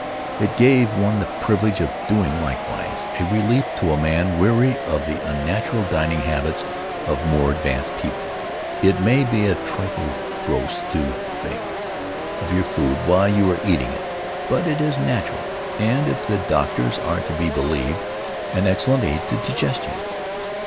It gave one the privilege of doing likewise, a relief to a man weary of the unnatural dining habits of more advanced people. It may be a trifle gross to think of your food while you are eating it, but it is natural and, if the doctors are to be believed, an excellent aid to digestion.